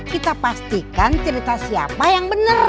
kita pastikan cerita siapa yang benar